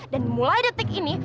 dan mulai detik ini